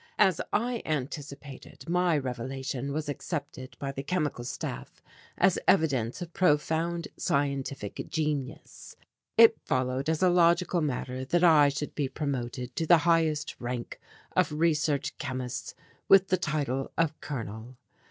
As I anticipated, my revelation was accepted by the Chemical Staff as evidence of profound scientific genius. It followed as a logical matter that I should be promoted to the highest rank of research chemists with the title of Colonel.